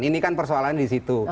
ini kan persoalannya di situ